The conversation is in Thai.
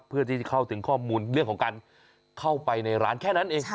เพื่อที่จะเข้าถึงข้อมูลเรื่องของการเข้าไปในร้านแค่นั้นเอง